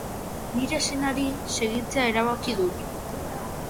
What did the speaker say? Nire senari segitzea erabaki dut.